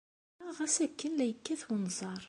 Ffɣeɣ, ɣas akken la yekkat unẓar.